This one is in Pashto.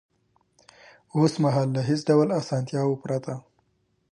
اوس مهال له هېڅ ډول اسانتیاوو پرته